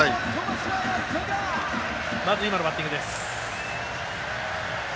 まず今のバッティングです。